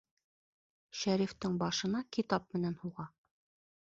Шәрифтең башына китап менән һуға.